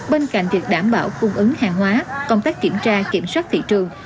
bên cạnh việc đảm bảo cung ứng hàng hóa công tác kiểm tra kiểm soát thị trường